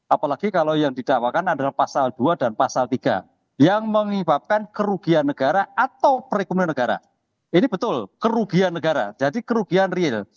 apalagi kalau yang didakwakan adalah pasal dua dan pasal tiga yang menyebabkan kerugian negara atau perekonomian negara ini betul kerugian negara jadi kerugian real